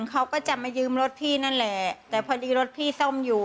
เขาก็จะมายืมรถพี่นั่นแหละแต่พอดีรถพี่ซ่อมอยู่